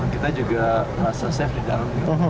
kita juga safe di dalam